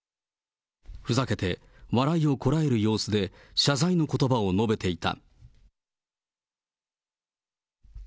ふざけて笑いをこらえる様子で謝罪のことばを述べていた。